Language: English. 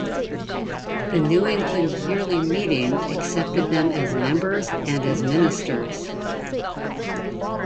The New England Yearly Meeting accepted them as members and as ministers.